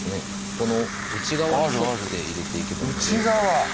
この内側に沿って入れていけば内側！